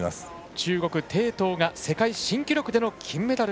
中国、鄭濤が世界新記録での金メダル。